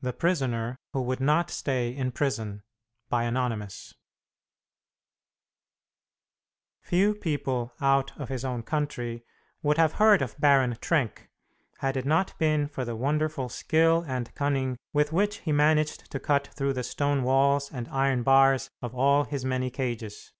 THE PRISONER WHO WOULD NOT STAY IN PRISON ANONYMOUS Few people out of his own country would have heard of Baron Trenck had it not been for the wonderful skill and cunning with which he managed to cut through the stone walls and iron bars of all his many cages.